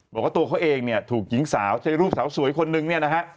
บอกว่าตัวเขาเองเนี่ยถูกหญิงสาวใช้รูปสาวสวยคนนึงเนี่ยนะฮะ